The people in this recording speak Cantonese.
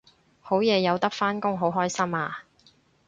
好嘢有得返工好開心啊！